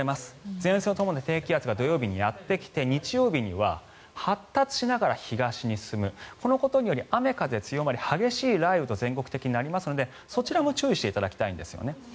前線を伴う低気圧が土曜日にやってきて日曜日には発達しながら東に進むこのことにより雨風強まり激しい雷雨と全国的になりますのでそちらも注意していただきたいんですね。